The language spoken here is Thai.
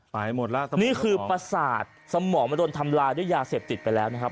หมดแล้วตอนนี้คือประสาทสมองมันโดนทำลายด้วยยาเสพติดไปแล้วนะครับ